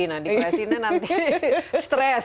nah depresinya nanti stress